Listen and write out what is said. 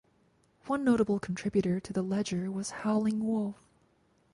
One notable contributor to the ledger was Howling Wolf.